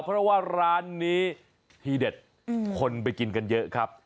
เพราะว่าร้านนี้ทีเด็ดคนไปกินกันเยอะครับ